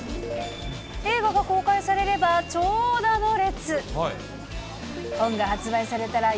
映画が公開されれば長蛇の列。